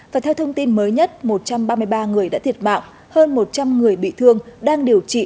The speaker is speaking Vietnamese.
và theo thông tin mới nhất một trăm ba mươi ba người đã thiệt mạng hơn một trăm linh người bị thương đang điều trị